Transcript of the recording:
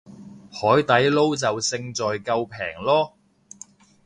海底撈就勝在夠平囉